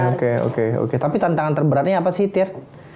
oke oke oke tapi tantangan terberatnya apa sih tir